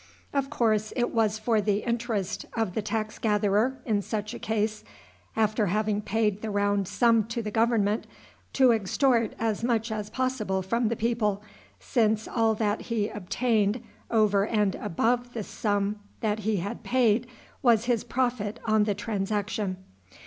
Of course, it was for the interest of the tax gatherer, in such a case, after having paid the round sum to the government, to extort as much as possible from the people, since all that he obtained over and above the sum that he had paid was his profit on the transaction.